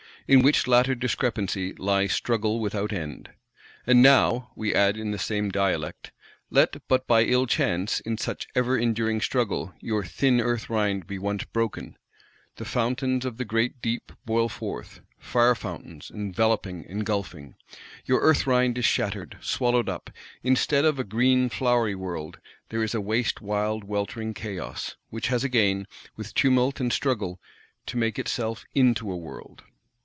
In which latter discrepancy lies struggle without end." And now, we add in the same dialect, let but, by ill chance, in such ever enduring struggle,—your "thin Earth rind" be once broken! The fountains of the great deep boil forth; fire fountains, enveloping, engulfing. Your "Earth rind" is shattered, swallowed up; instead of a green flowery world, there is a waste wild weltering chaos:—which has again, with tumult and struggle, to make itself into a world.